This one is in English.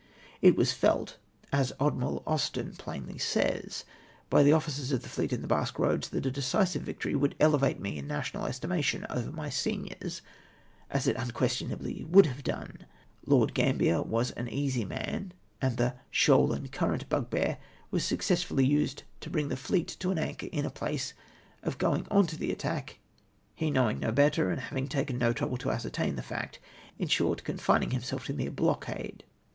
It was felt — as Admiral Austen plainly says — by the officers of the fleet in Basque Eoads, that a decisive victory would elevate me in national estimation over my seniors, as it unquestionably would have done. Lord Gambier was an easy man, and the " shoal and cm rent" bugbear was successfully used to bring the fleet to an anchor in place of going on to the attack, he knowing no better, and having taken no trouble to ascertain the fact ; in short, confining himself to mere blockade.